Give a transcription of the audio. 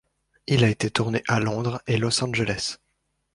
Il a été tourné à Londres et Los Angeles.